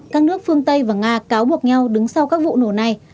các nước phương tây và nga cáo buộc nhau đứng sau các vụ nổ này